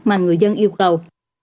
mà người dân yêu cầu